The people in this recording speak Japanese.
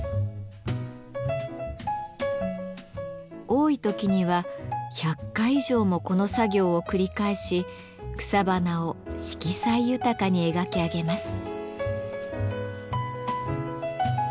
多い時には１００回以上もこの作業を繰り返し草花を色彩豊かに描き上げます。